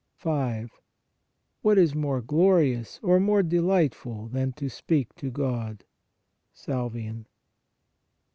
5. What is more glorious or more delightful than to speak to God (Salvian).